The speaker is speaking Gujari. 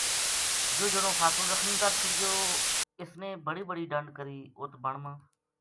یوہ جنو خاصو زخمی کر چھُڑیو اس بڑی بڑی ڈَنڈ کری اُت بن ما